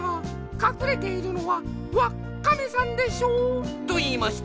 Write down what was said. かくれているのはわっカメさんでしょ」といいました。